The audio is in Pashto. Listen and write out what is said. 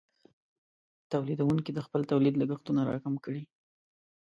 تولیدونکې د خپل تولید لګښتونه راکم کړي.